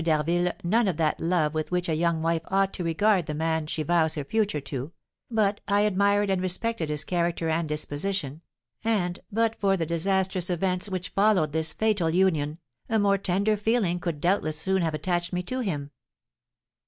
d'Harville none of that love with which a young wife ought to regard the man she vows her future life to, but I admired and respected his character and disposition, and, but for the disastrous events which followed this fatal union, a more tender feeling could doubtless soon have attached me to him.